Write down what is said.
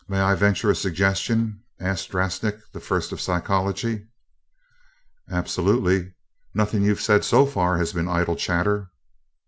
"May I venture a suggestion?" asked Drasnik, the First of Psychology. "Absolutely nothing you've said so far has been idle chatter."